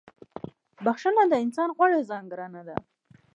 • بخښنه د انسان غوره ځانګړنه ده.